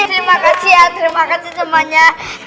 terima kasih ya terima kasih semuanya